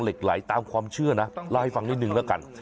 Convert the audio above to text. เหล็กหลายตามความเชื่อนะเลยฟังหนิหนึ่งละกัน